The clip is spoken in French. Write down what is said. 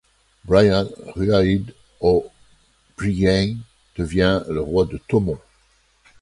Brian Ruaidh Ó Briain devient roi de Thomond.